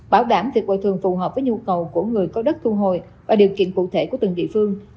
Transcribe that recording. bảo đảm việc bồi thường phù hợp với nhu cầu của người có đất thu hồi và điều kiện cụ thể của từng địa phương